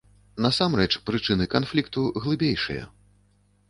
Насамрэч прычыны канфлікту глыбейшыя.